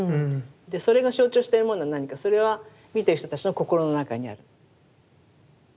それが象徴してるものは何かそれは見てる人たちの心の中にある。